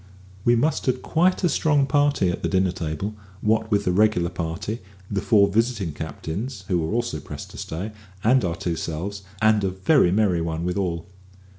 We mustered quite a strong party at the dinner table, what with the regular party, the four visiting captains (who were also pressed to stay), and our two selves, and a very merry one withal.